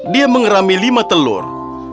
dia mengerami lima telur